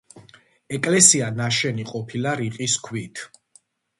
ეკლესია ნაშენი ყოფილა რიყის ქვით.